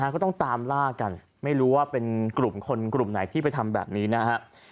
ก็ต้องตามล่ากันไม่รู้ว่าเป็นกลุ่มคนกลุ่มไหนที่ไปทำแบบนี้นะฮะ